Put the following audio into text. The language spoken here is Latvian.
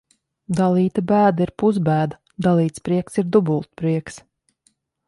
Dalīta bēda ir pusbēda, dalīts prieks ir dubultprieks.